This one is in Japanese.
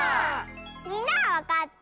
みんなはわかった？